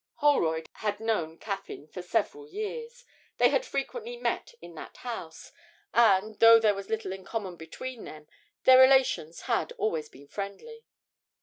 Holroyd had known Caffyn for several years: they had frequently met in that house, and, though there was little in common between them, their relations had always been friendly.